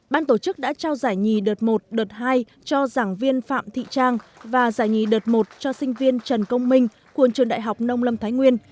ban tổ chức đã trao giải nhì đợt một đợt hai cho giảng viên phạm thị trang và giải nhì đợt một cho sinh viên trần công minh của trường đại học nông lâm thái nguyên